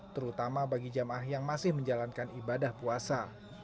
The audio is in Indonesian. terutama bagi jemaah yang masih menjalankan ibadah puasa